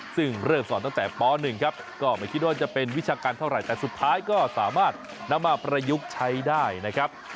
ซึ่งเริ่มสอนตั้งแต่ป๑ครับก็ไม่คิดว่าจะเป็นวิชาการเท่าไหร่แต่สุดท้ายก็สามารถนำมาประยุกต์ใช้ได้นะครับ